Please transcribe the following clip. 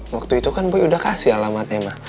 waktu itu kan boy udah kasih alamatnya ma